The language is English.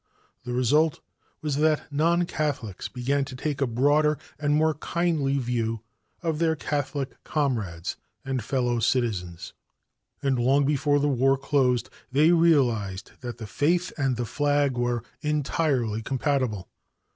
The result was that non Catholics began to take a broader and more kindly view of their Catholic comrades and fellow citizens, and long before the war closed they realized that the faith and the flag were entirely compatible.